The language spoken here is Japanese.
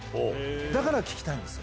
だから聞きたいんです。